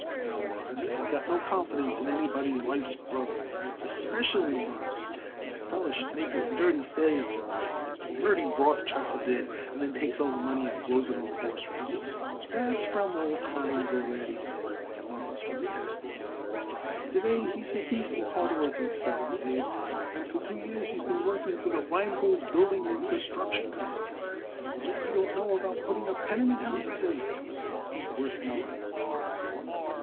No, Mawruss, I ain't got no confidence in anybody's wife's brother, especially, Mawruss, if a feller should make it a dirty failure like Ferdy Rothschild did and then takes all the money and blows it in on the horse races." "That's from old times already," Morris protested. "To day he's a decent, hard working feller, Abe, and for two years he's been working for the Rheingold Building and Construction Company. What he don't know about putting up tenement houses, Abe, ain't worth knowing."